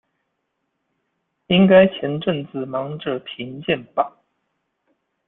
應該前陣子忙著評鑑吧